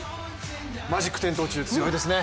マジック点灯中、強いですね。